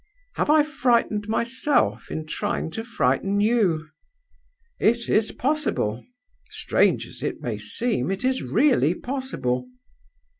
Have I frightened myself in trying to frighten you? It is possible strange as it may seem, it is really possible.